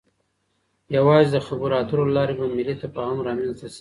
يوازې د خبرو اترو له لارې به ملی تفاهم رامنځته شي.